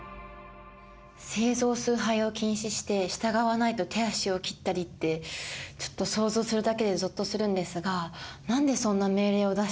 聖像崇拝を禁止して従わないと手足を切ったりってちょっと想像するだけでぞっとするんですが何でそんな命令を出したんでしょうか？